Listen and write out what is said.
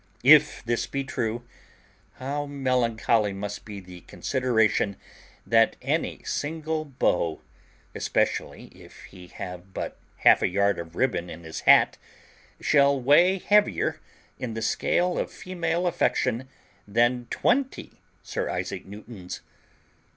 If this be true, how melancholy must be the consideration that any single beau, especially if he have but half a yard of ribbon in his hat, shall weigh heavier in the scale of female affection than twenty Sir Isaac Newtons!